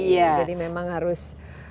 jadi memang harus